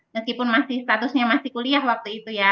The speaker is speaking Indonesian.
meskipun masih statusnya masih kuliah waktu itu ya